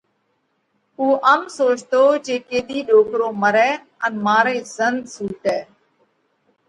اُو ام سوچتو جي ڪيۮِي ڏوڪرو مرئہ ان مارئِي زنۮ سُوٽئہ۔